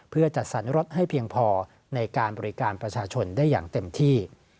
เพื่อจัดสรรรถให้เพียงพอในการบริการประชาชนได้อย่างเต็มที่